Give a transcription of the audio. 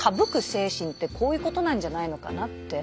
精神ってこういうことなんじゃないのかなって。